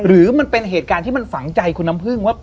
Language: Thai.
หรือมันเป็นเหตุการณ์ที่มันฝังใจคุณน้ำพึ่งว่า